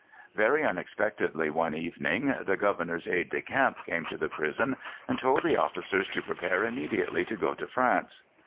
Very unexpectedly one evening the Governor's aide de camp came to the prison and told the officers to prepare immediately to go to France.